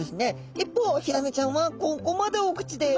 一方ヒラメちゃんはここまでお口です。